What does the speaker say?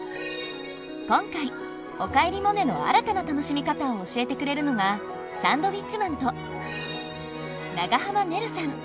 今回「おかえりモネ」の新たな楽しみ方を教えてくれるのがサンドウィッチマンと長濱ねるさん。